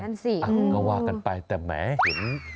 นี่เหมือนกันอังวาลกันไปแต่แม้เห็น